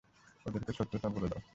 ওদেরকে সত্যটা বলে দাও।